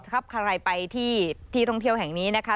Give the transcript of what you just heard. ใครไปที่ที่ท่องเที่ยวแห่งนี้นะคะ